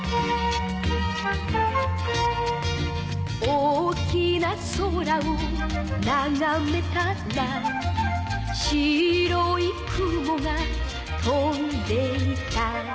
「大きな空をながめたら」「白い雲が飛んでいた」